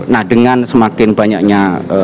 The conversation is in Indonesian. nah dengan semakin banyaknya